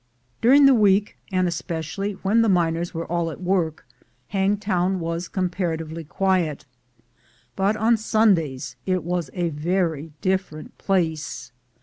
During the week, and especially when the miners were all at work, Hangtown was comparatively quiet ; but on Sundays it was a very different place.